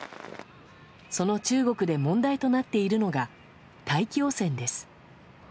その中国で問題となっているのが大気汚染です。